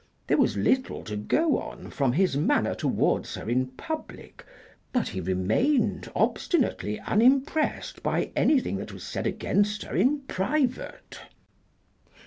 There was little to go on from his manner towards her in public, but he remained obstinately unimpressed by anything that was said against her in private.